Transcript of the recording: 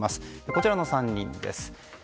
こちらの３人です。